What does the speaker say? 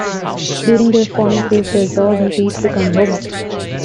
During their spawning phase, their jaws and teeth become hooked.